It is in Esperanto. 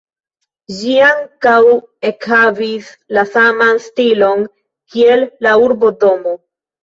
Ĝi ankaŭ ekhavis la saman stilon kiel la urbodomo.